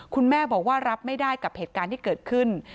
คุณแม่บอกว่ารับไม่ได้กับเหตุการณ์ที่เกิดขึ้น